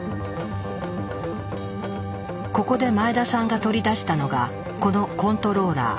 ここで前田さんが取り出したのがこのコントローラー。